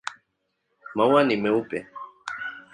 Maua ni meupe.